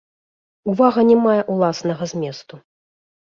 Увага не мае ўласнага зместу.